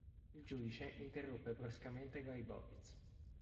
Il giudice interruppe bruscamente Leibowitz.